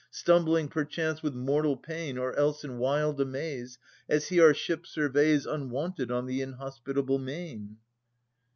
216 242] Philodetes 275 Stumbling perchance with mortal pain, Or else in wild amaze, As he our ship surveys Unwonted on the inhospitable main.